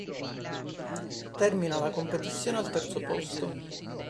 Termina la competizione al terzo posto.